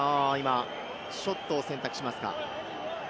ショットを選択しますか。